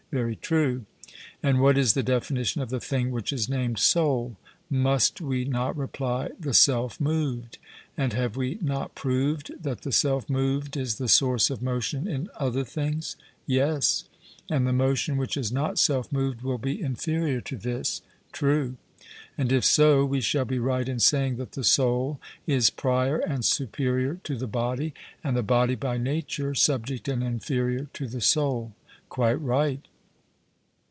'Very true.' And what is the definition of the thing which is named 'soul'? Must we not reply, 'The self moved'? And have we not proved that the self moved is the source of motion in other things? 'Yes.' And the motion which is not self moved will be inferior to this? 'True.' And if so, we shall be right in saying that the soul is prior and superior to the body, and the body by nature subject and inferior to the soul? 'Quite right.'